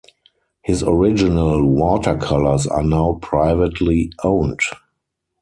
His original watercolors are now privately owned.